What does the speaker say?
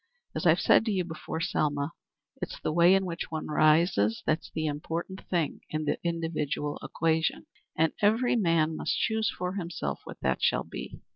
As I've said to you before, Selma, it's the way in which one rises that's the important thing in the individual equation, and every man must choose for himself what that shall be.